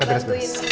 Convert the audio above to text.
kamu bantuin dong